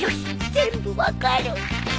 全部分かる